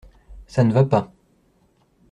Ça ne va pas.